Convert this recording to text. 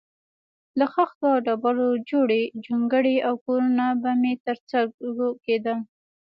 له خښتو او ډبرو جوړې جونګړې او کورونه به مې تر سترګو کېدل.